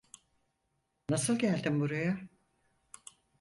Nasıl geldin buraya?